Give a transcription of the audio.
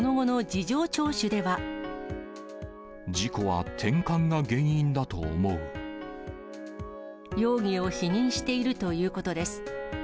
事故はてんかんが原因だと思容疑を否認しているということです。